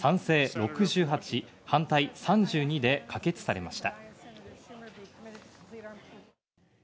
６８、反対３２で可決されました。